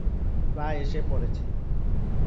প্রায় এসে পড়েছি।